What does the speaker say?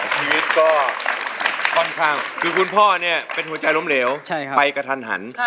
ชีวิตก็ค่อนข้างคือคุณพ่อเนี่ยเป็นหัวใจล้มเหลวไปกระทันหัน